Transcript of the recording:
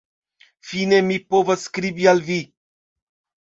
Fine mi povas skribi al vi.